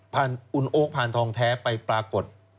คุณโอ๊คพานทองแท้ไปปรากฏ